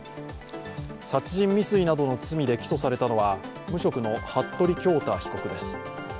殺人未遂などの罪で起訴されたのは無職の服部恭太被告です。